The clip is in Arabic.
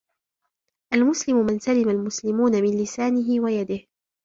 الْمُسْلِمُ مَنْ سَلِمَ الْمُسْلِمُونَ مِنْ لِسَانِهِ وَيَدِهِ.